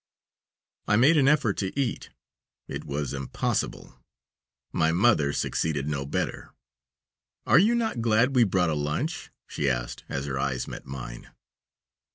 I made an effort to eat. It was impossible. My mother succeeded no better. "Are you not glad we brought a lunch?" she asked, as her eyes met mine.